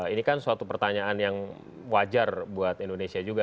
ini kan suatu pertanyaan yang wajar buat indonesia juga